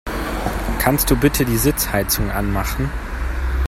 Kannst du bitte die Sitzheizung anmachen?